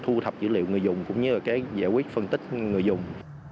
thu thập dữ liệu người dùng cũng như là cái giải quyết phân tích người dùng